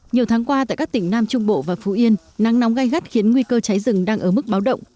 nhiều tháng qua tại các tỉnh nam trung bộ và phú yên nắng nóng gai gắt khiến nguy cơ cháy rừng đang ở mức báo động